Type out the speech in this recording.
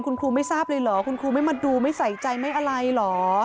คุณครูไม่ทราบเลยเหรอคุณครูไม่มาดูไม่ใส่ใจไม่อะไรเหรอ